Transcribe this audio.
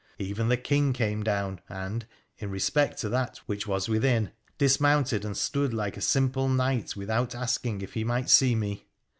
Even the King came down, and, in respect to that which was within, d'smounted and stood like a simple knight without, asking if he might see me.